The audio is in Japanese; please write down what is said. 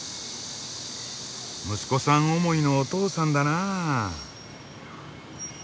息子さん思いのお父さんだなあ。